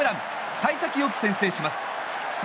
幸先よく先制します。